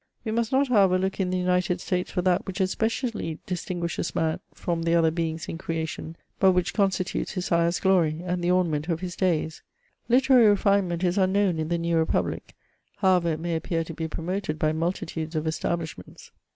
We must not, however, look in the United States for that which especially distinguishes man from the other beings in creation, but which constitutes his highest glory, and the ornament of his diays : literary refinement is unknown m the new Republic, however it may appear to be promoted by multitudes of establishments.